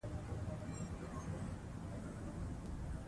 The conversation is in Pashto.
نوی تحقیق سوی دی.